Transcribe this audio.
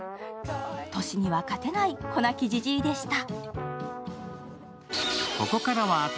年には勝てないこなきじじいでした。